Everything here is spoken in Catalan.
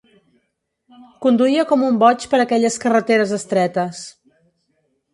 Conduïa com un boig per aquelles carreteres estretes.